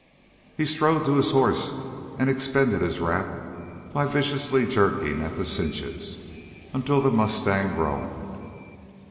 He strode to his horse and expended his wrath by viciously jerking at the cinches, until the mustang groaned.